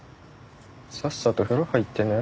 さっさと風呂入って寝ろよ。